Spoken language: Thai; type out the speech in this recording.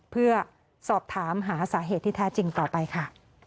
เพื่อสอบถามหาสาเหตุที่แท้จริงต่อไปค่ะ